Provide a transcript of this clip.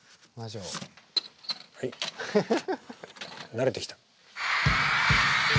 慣れてきた。